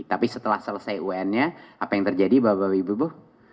tapi setelah selesai un nya apa yang terjadi bapak bapak ibu ibu